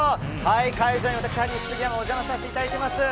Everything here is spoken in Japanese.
会場に私、ハリー杉山もお邪魔させていただいています。